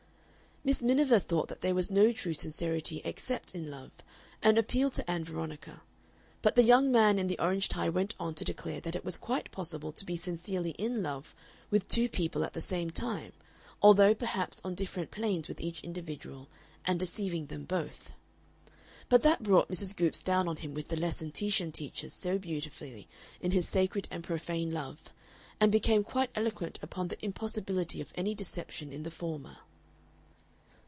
Miss Miniver thought that there was no true sincerity except in love, and appealed to Ann Veronica, but the young man in the orange tie went on to declare that it was quite possible to be sincerely in love with two people at the same time, although perhaps on different planes with each individual, and deceiving them both. But that brought Mrs. Goopes down on him with the lesson Titian teaches so beautifully in his "Sacred and Profane Love," and became quite eloquent upon the impossibility of any deception in the former.